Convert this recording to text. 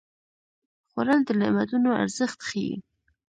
خوړل د نعمتونو ارزښت ښيي